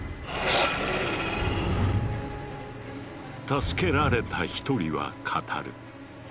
助けられた１人は語る。